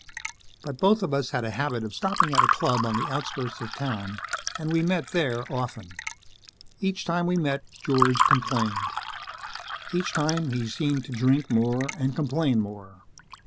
But both of us had a habit of stopping at a club on the outskirts of town and we met there often. Each time we met, George complained. Each time, he seemed to drink more and complain more.